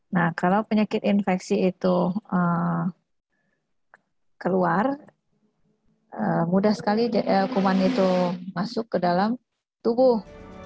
nah kalau penyakit infeksi itu keluar mudah sekali kuman itu masuk ke dalam tubuh